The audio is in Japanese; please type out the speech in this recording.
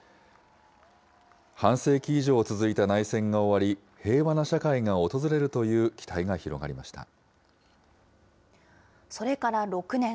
半世紀以上続いた内戦が終わり、平和な社会が訪れるという期待がそれから６年。